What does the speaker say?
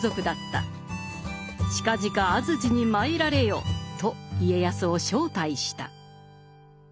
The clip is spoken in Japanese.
「近々安土に参られよ」と家康を招待した。